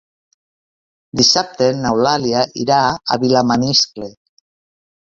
Dissabte n'Eulàlia irà a Vilamaniscle.